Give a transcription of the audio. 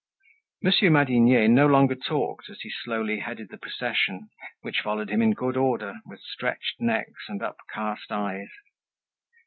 Monsieur Madinier no longer talked as he slowly headed the procession, which followed him in good order, with stretched necks and upcast eyes.